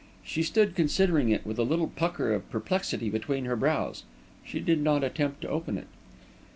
She stood considering it with a little pucker of perplexity between her brows. She did not attempt to open it.